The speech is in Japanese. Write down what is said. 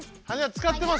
使ってます。